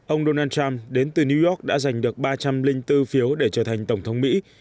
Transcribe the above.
ông donald trump đến từ new york đã giành được ba trăm linh bốn phiếu để trở thành tổng thống mỹ